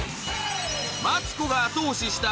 マツコが後押しした